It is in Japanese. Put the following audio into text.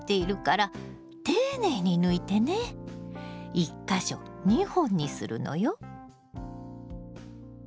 １か所２本にするのよ。